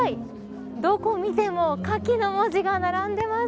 どこを見てもかきの文字が並んでます。